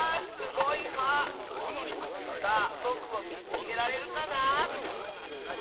すごい「は」！さあぼくをみつけられるかな？